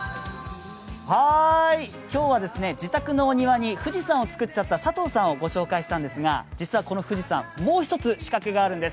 今日は自宅のお庭に富士山を造っちゃった佐藤さんを御紹介したんですが、実はこの富士山、もう一つ仕掛けがあるんです。